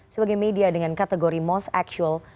sebagai media dengan kategori most actual